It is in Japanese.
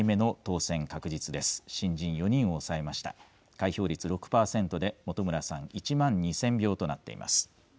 開票率６％で、本村さん、１万２０００票となっています。